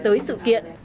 tới sự kiện